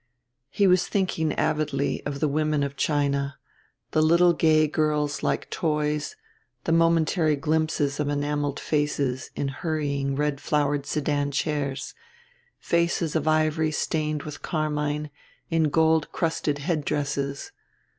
He was thinking avidly of the women of China the little gay girls like toys, the momentary glimpses of enameled faces in hurrying red flowered sedan chairs, faces of ivory stained with carmine, in gold crusted headdresses.